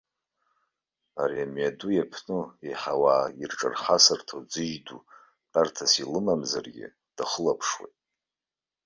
Ари, амҩаду иаԥну, еиҳа ауаа ирҿархасырҭоу аӡыжь ду, тәарҭас илымамзаргьы, дахылаԥшуеит.